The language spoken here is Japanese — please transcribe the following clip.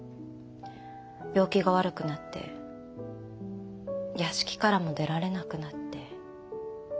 病気が悪くなって屋敷からも出られなくなって。